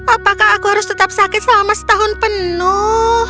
apakah aku harus tetap sakit selama setahun penuh